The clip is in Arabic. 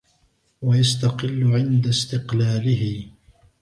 وَيَسْتَقِلُّ عِنْدَ اسْتِقْلَالِهِ